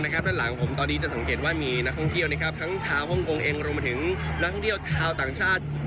ด้านหลังผมจะสังเกตว่ามีนักข้องเที่ยวทางชาวทางชาติ